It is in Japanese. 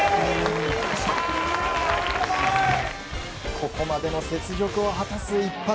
ここまでの雪辱を果たす一発！